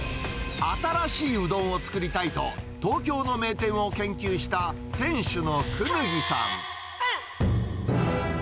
新しいうどんを作りたいと、東京の名店を研究した店主の功刀さん。